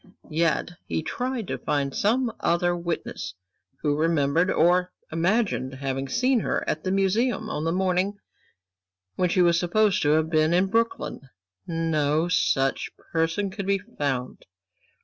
Yet he tried to find some other witness who remembered, or imagined having seen her at the Museum on the morning when she was supposed to have been in Brooklyn. No such person could be found.